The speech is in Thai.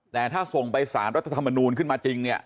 แต่ถ้าส่งไปสารรัฐธรรมนูลขึ้นมาจริงเนี่ย